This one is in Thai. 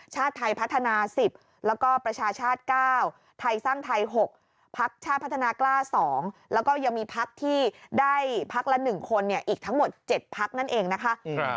ชาติไทยพัฒนา๑๐แล้วก็ประชาชาติ๙ไทยสร้างไทย๖พักชาติพัฒนากล้า๒แล้วก็ยังมีพักที่ได้พักละ๑คนอีกทั้งหมด๗พักนั่นเองนะคะ